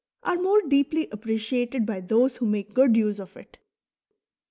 are more deeply appreciated bv those who make good use of it.